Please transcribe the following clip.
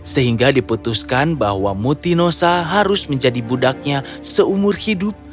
sehingga diputuskan bahwa mutinosa harus menjadi budaknya seumur hidup